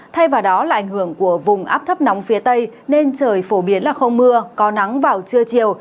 thay vào đó là ảnh hưởng của vùng áp thấp nóng phía tây nên trời phổ biến là không mưa có nắng vào trưa chiều